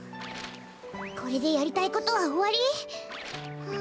これでやりたいことはおわり？ん？